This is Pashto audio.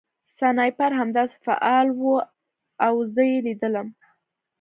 سنایپر همداسې فعال و او زه یې لیدلم